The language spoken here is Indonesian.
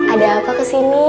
ada apa kesini